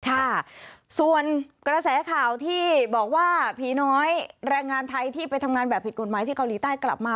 ค่ะส่วนกระแสข่าวที่บอกว่าผีน้อยแรงงานไทยที่ไปทำงานแบบผิดกฎหมายที่เกาหลีใต้กลับมา